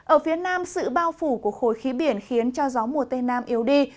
ở phía nam sự bao phủ của khối khí biển khiến cho gió mùa tây nam yếu đi